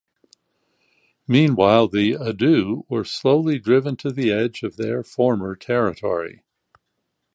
Meanwhile, the "Adoo" were slowly driven to the edge of their former territory.